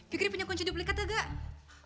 kikirnya punya kunci duplikat gak